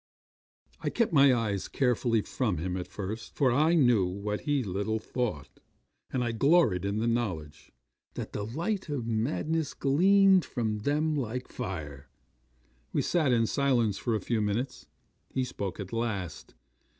'I kept my eyes carefully from him at first, for I knew what he little thought and I gloried in the knowledge that the light of madness gleamed from them like fire. We sat in silence for a few minutes. He spoke at last.